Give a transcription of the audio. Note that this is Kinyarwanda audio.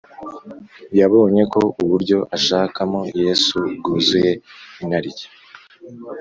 Yabonye ko uburyo ashaka mo Yesu bwuzuye inarijye.